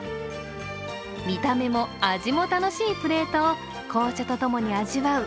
見た目も味も楽しいプレートを紅茶とともに味わう